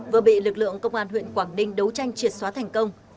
vừa bị lực lượng công an huyện quảng ninh đấu tranh triệt xóa thành công